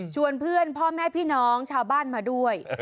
เพื่อนพ่อแม่พี่น้องชาวบ้านมาด้วย